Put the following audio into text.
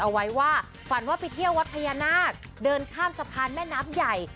เอาไว้ว่าฝันว่าไปเที่ยววัดพญานาคเดินข้ามสะพานแม่น้ำใหญ่